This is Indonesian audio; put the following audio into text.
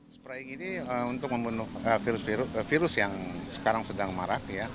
seperti ini untuk membunuh virus virus yang sekarang sedang marah